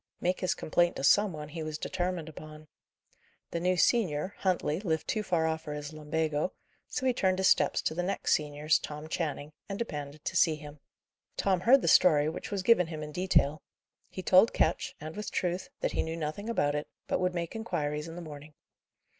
Make his complaint to some one, he was determined upon. The new senior, Huntley, lived too far off for his lumbago; so he turned his steps to the next senior's, Tom Channing, and demanded to see him. Tom heard the story, which was given him in detail. He told Ketch and with truth that he knew nothing about it, but would make inquiries in the morning.